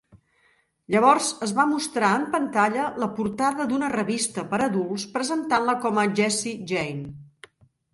Llavors es va mostrar en pantalla la portada d'una revista per a adults presentant-la com a Jesse Jane.